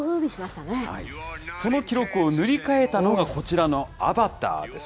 その記録を塗り替えたのが、こちらのアバターです。